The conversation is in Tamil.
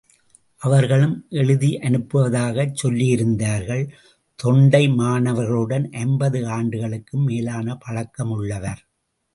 அவர்களும் எழுதியனுப்புவதாகச் சொல்லியிருந்தார்கள் தொண்டைமானவர்களுடன் ஐம்பது ஆண்டுகளுக்கும் மேலான பழக்கம் உள்ளவர்.